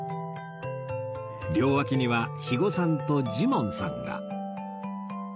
両脇には肥後さんとジモンさんが